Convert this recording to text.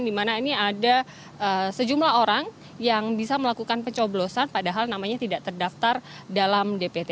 di mana ini ada sejumlah orang yang bisa melakukan pencoblosan padahal namanya tidak terdaftar dalam dpt